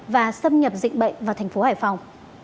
và xâm nhập dịch bệnh vào tp hcm